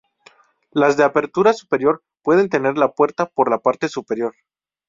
Las de apertura superior pueden tener la puerta por la parte superior.